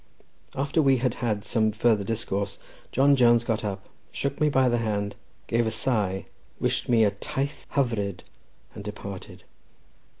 After we had had some further discourse, John Jones got up, shook me by the hand, gave a sigh, wished me a "taith hyfryd," and departed.